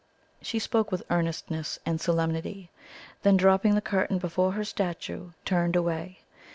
She spoke with earnestness and solemnity; then, dropping the curtain before her statue, turned away.